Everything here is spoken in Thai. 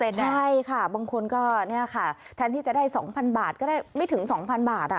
ใช่ค่ะบางคนก็แทนที่จะได้๒๐๐๐บาทก็ได้ไม่ถึง๒๐๐๐บาท